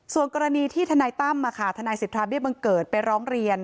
ส่วนกรณีที่ทนัยต้ำมาค่ะทนัยสิทธารวีนบังเกิดไปล้องเรียน